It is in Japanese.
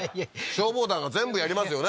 消防団が全部やりますよね